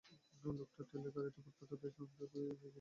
লোকটা ঠেলে গাড়িটা ফুটপাথের পাশে আনতে গিয়ে নিজে পুরাই ভিজে গেল।